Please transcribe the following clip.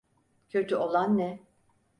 Kötü olan ne?